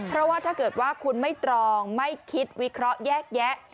เพราะว่าถ้าเกิดว่าคุณไม่ตรองไม่คิดวิเคราะห์แยกแยะ